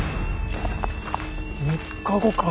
３日後か。